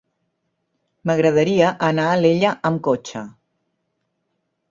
M'agradaria anar a Alella amb cotxe.